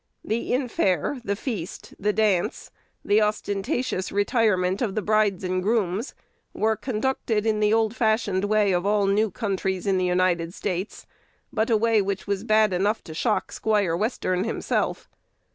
The infare, the feast, the dance, the ostentatious retirement of the brides and grooms, were conducted in the old fashioned way of all new countries in the United States, but a way which was bad enough to shock Squire Western himself.